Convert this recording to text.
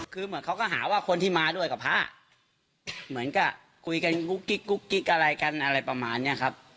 คือเหมือนเขาก็หาว่าคนที่มาด้วยกับพระเหมือนกับคุยกันกุ๊กกิ๊กกุ๊กกิ๊กอะไรกันอะไรประมาณนี้ครับ